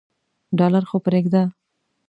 ډالر خو پریږده.